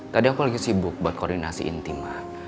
tadi aku lagi sibuk buat koordinasi inti mbak